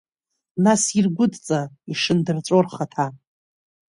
Нас иргәыдҵа ишындырҵәо рхаҭа.